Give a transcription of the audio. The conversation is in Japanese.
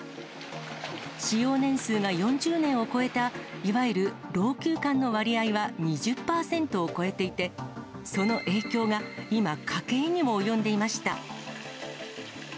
使用年数が４０年を超えたいわゆる老朽管の割合は２０％を超えていて、その影響が今、家計にも及んでいました。